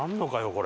これ。